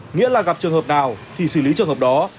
nghĩa là gặp trường hợp nào thì xử lý trường hợp đó